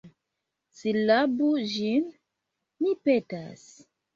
Silabu ĝin, mi petas.